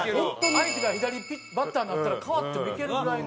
相手が左バッターになったら代わってもいけるぐらいの。